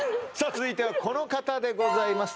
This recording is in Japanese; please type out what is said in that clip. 続いてはこの方でございます